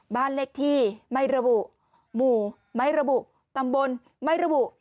บ้านเลขที่ไม่ระบุหมู่ไม่ระบุตำบลไม่ระบุ